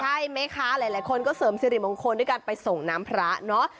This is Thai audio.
ใช่ไหมคะหลายคนก็เสริมสิริมงคลด้วยการไปส่งน้ำพระเนอะ